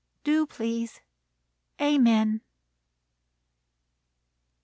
Do, please. Amen."